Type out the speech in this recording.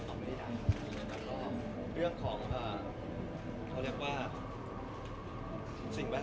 มันไม่ได้ยางนะรอบ่อยระหว่างของก็คือเขาเรียกว่าสิ่งแวดรอบที่กรอบอยู่รอบ